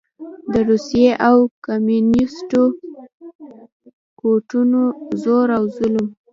د روسي او کميونسټو قوتونو زور ظلم